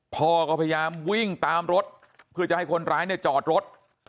พ่อก็พยายามวิ่งตามรถเพื่อจะให้คนร้ายเนี่ยจอดรถ